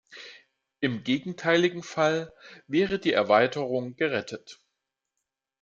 Im gegenteiligen Fall wäre die Erweiterung gerettet.